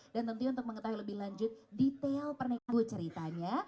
dan tentu untuk mengetahui lebih lanjut detail pernikahan ceritanya